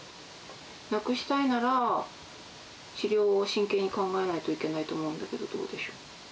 なくしたいなら、治療を真剣に考えないといけないと思うんだけど、どうでしょう。